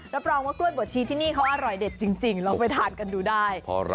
รับรองว่ากล้วยบวชชีที่นี่เขาอร่อยเด็ดจริงลองไปทานกันดูได้